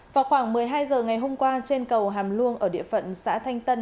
vào khoảng một mươi hai h ngày hôm qua trên cầu hàm luông ở địa phận xã thanh tân